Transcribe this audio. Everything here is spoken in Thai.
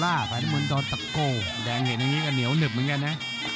ได้เห็นอย่างนี้ก็เหนียวเหนืบเหมือนกันนะ